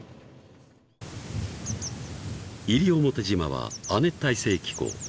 ［西表島は亜熱帯性気候］